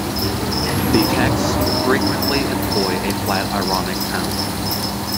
The texts frequently employ a flat, ironic tone.